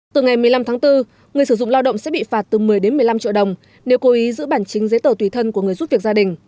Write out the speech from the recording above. từ ngày một mươi năm tháng bốn người sử dụng lao động sẽ bị phạt từ một mươi một mươi năm triệu đồng nếu cố ý giữ bản chính giấy tờ tùy thân của người giúp việc gia đình